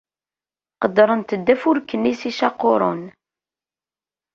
Qeddrent-d afurk-nni s yicaquren.